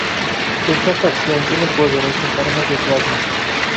Esta facción tiene poderosas armas de plasma.